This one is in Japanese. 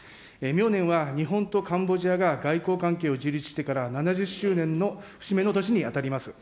明年は日本とカンボジアが外交関係を樹立してから７０周年の節目の年に当たります。